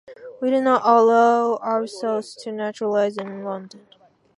We do not allow ourselves to naturalize in London.